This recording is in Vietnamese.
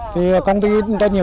thì công ty đã nhiều hoạt động